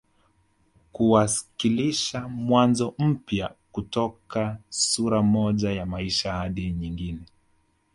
Kuwakilisha mwanzo mpya kutoka sura moja ya maisha hadi nyingine